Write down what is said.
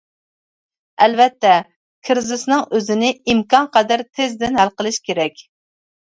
ئەلۋەتتە، كىرىزىسنىڭ ئۆزىنى ئىمكانقەدەر تېزدىن ھەل قىلىش كېرەك.